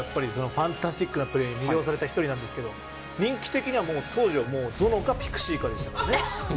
ファンタスティックなプレーに魅了された１人なんですけど人気的には、当時ゾノかピクシーかでしたもんね。